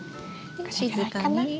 で静かに。